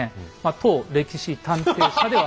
当歴史探偵社では。